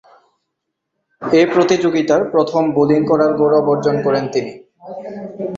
এ প্রতিযোগিতার প্রথম বোলিং করার গৌরব অর্জন করেন তিনি।